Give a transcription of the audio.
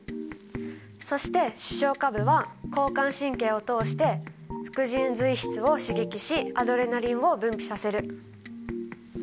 そして視床下部は交感神経を通して副腎髄質を刺激しアドレナリンを分泌させる。